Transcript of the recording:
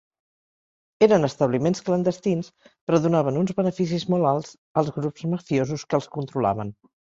Eren establiments clandestins, però donaven uns beneficis molt alts als grups mafiosos que els controlaven.